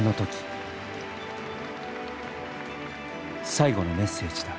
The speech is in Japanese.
最後のメッセージだ。